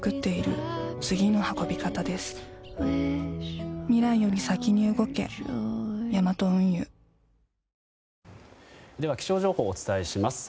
首位ヤクルトでは気象情報をお伝えします。